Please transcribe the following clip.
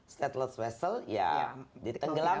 stateless vessel ya ditenggelamkan